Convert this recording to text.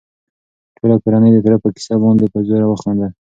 ټوله کورنۍ د تره په کيسه باندې په زوره وخندل.